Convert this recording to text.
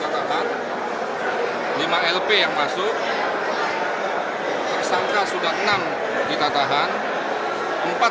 prinsipnya satgas mafia bola itu akan berubah